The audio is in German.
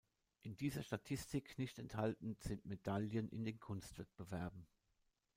In dieser Statistik nicht enthalten sind Medaillen in den Kunstwettbewerben.